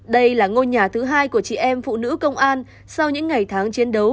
đây là ngôi nhà thứ hai của chị em phụ nữ công an sau những ngày tháng chiến đấu